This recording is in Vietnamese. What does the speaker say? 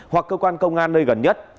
hoặc cơ quan công an nơi gần nhất